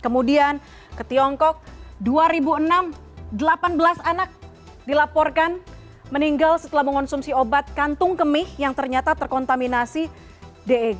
kemudian ke tiongkok dua ribu enam delapan belas anak dilaporkan meninggal setelah mengonsumsi obat kantung kemih yang ternyata terkontaminasi deg